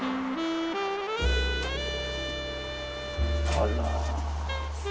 あら。